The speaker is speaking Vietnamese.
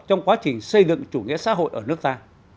trong quá trình xây dựng chủ nghĩa xã hội ở nước ta